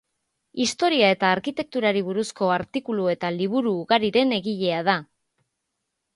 Historia eta arkitekturari buruzko artikulu eta liburu ugariren egilea da.